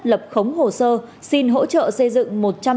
lập khống hồ sơ xin hỗ trợ xây dựng